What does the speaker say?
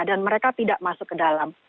dan mereka tidak masuk ke dalam